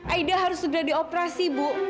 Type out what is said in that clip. aida harus sudah dioperasi bu